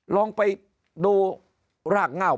ลองไปดูรากเง่า